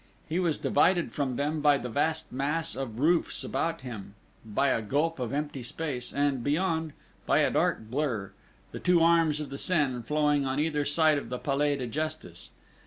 He was divided from them by the vast mass of roofs about him, by a gulf of empty space, and beyond, by a dark blur the two arms of the Seine flowing on either side of the Palais de Justice....